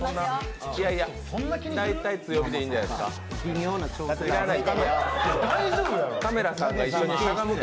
大体、強火でいいんじゃないですか